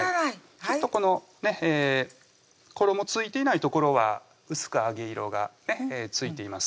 ちょっとこの衣付いていない所は薄く揚げ色がついています